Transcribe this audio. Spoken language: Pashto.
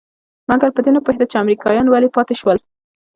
مګر په دې نه پوهېده چې امريکايان ولې پاتې شول.